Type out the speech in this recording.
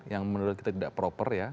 yang menurut kita tidak proper ya